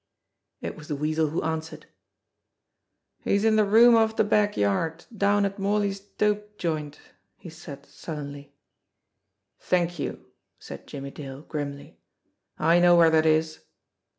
It was the Weasel who answered. "He's in de room off de back yard, down at Morley's dope joint," he said sullenly. "Thank you !" said Jimmie Dale grimly. "I know where that is."